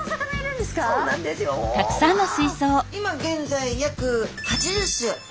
今現在約８０種２００